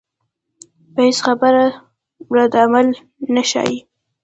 پۀ هېڅ خبره ردعمل نۀ ښائي